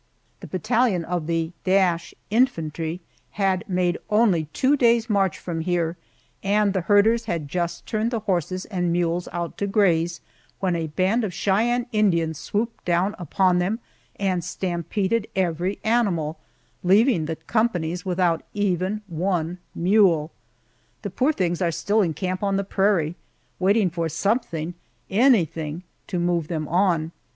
The battalion of the th Infantry had made only two days' march from here, and the herders had just turned the horses and mules out to graze, when a band of Cheyenne Indians swooped down upon them and stampeded every animal, leaving the companies without even one mule! The poor things are still in camp on the prairie, waiting for something, anything, to move them on.